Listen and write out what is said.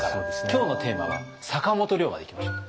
今日のテーマは坂本龍馬でいきましょう。